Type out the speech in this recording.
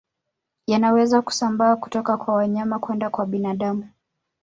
Yanaweza kusambaa kutoka kwa wanyama kwenda kwa binadamu